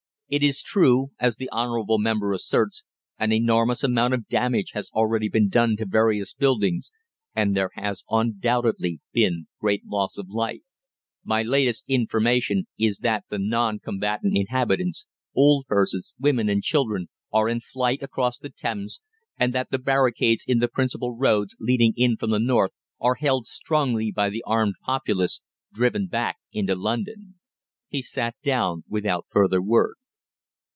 It is true, as the honourable member asserts, an enormous amount of damage has already been done to various buildings, and there has undoubtedly been great loss of life. My latest information is that the non combatant inhabitants old persons, women, and children are in flight across the Thames, and that the barricades in the principal roads leading in from the north are held strongly by the armed populace, driven back into London." He sat down without further word.